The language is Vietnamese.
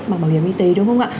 bằng bảo hiểm y tế đúng không ạ